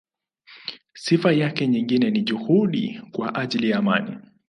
Sifa yake nyingine ni juhudi kwa ajili ya amani.